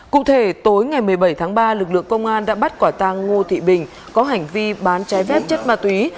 cụ thể tối ngày một mươi bảy tháng ba lực lượng công an đã bắt quả tăng ngô thị bình có hành vi bán trái phép chất ma túy